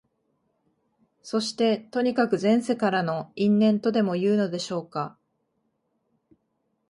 そして、とにかく前世からの因縁とでもいうのでしょうか、